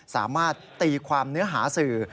สามารถตีความเนื้อหาสื่อ